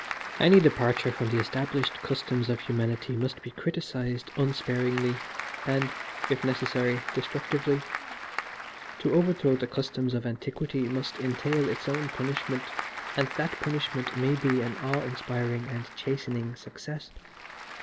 Any departure from the established customs of humanity must be criticised unsparingly, and, if necessary, destructively. To overthrow the customs of antiquity must entail its own punishment and that punishment may be an awe inspiring and chastening Success.